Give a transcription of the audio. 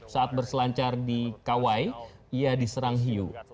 saat berselancar di kawai ia diserang hiu